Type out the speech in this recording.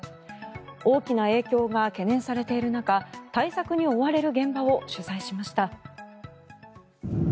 大きな影響が懸念されている中対策に追われる現場を取材しました。